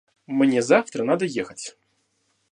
Мне завтра надо ехать.